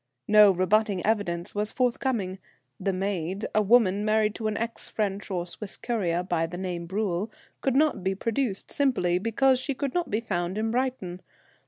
No rebutting evidence was forthcoming. The maid, a woman married to an ex French or Swiss courier, by name Bruel, could not be produced, simply because she could not be found in Brighton.